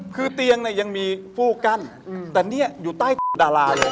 คือเตียงมีผู้กั้นแต่เนี่ยอยู่ใต้โตกดาราเลย